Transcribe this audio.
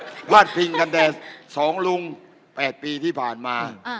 แถวภาดพิงตั้งแต่สองรุง๘ปีที่ผ่านมา